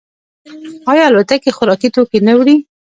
آیا الوتکې خوراکي توکي نه وړي؟